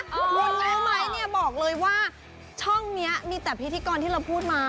คุณรู้ไหมเนี่ยบอกเลยว่าช่องนี้มีแต่พิธีกรที่เราพูดมา